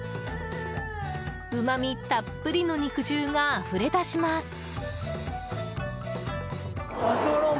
うまみたっぷりの肉汁があふれ出します。